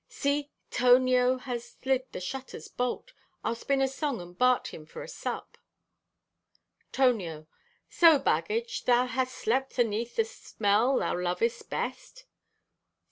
"See! Tonio has slid the shutter's bolt! I'll spin a song and bart him for a sup." (Tonio) "So, baggage, thou hast slept aneath the smell thou lovest best!"